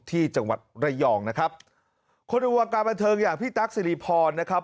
ที่จังหวัดระยองนะครับคนในวงการบันเทิงอย่างพี่ตั๊กสิริพรนะครับ